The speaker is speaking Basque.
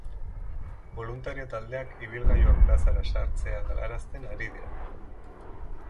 Boluntario-taldeak ibilgailuak plazara sartzea galarazten ari dira.